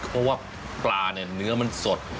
เพราะว่าปลาเนี่ยเนื้อมันสด